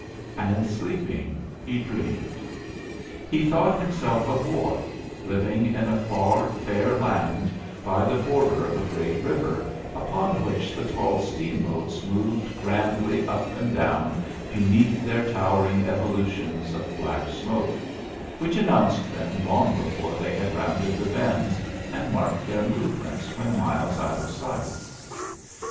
And sleeping he dreamed. He thought himself a boy, living in a far, fair land by the border of a great river upon which the tall steamboats moved grandly up and down beneath their towering evolutions of black smoke, which announced them long before they had rounded the bends and marked their movements when miles out of sight.